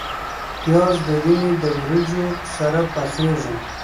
پیاز د وینې د وریجو سره پخیږي